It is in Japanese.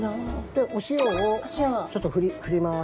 でお塩をちょっとふります。